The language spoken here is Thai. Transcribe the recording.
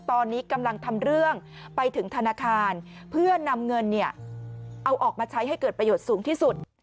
ตอนนี้กำลังทำเรื่องไปถึงธนาคารเพื่อนำเงินเอาออกมาใช้ให้เกิดประโยชน์สูงที่สุด